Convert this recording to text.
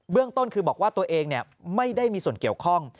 เรื่องต้นคือบอกว่าตัวเองไม่ได้มีส่วนเกี่ยวข้อง